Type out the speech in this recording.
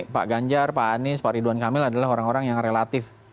pak ganjar pak anies pak ridwan kamil adalah orang orang yang relatif